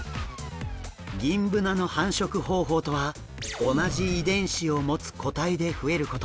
ギンブナの繁殖方法とは同じ遺伝子を持つ個体で増えること。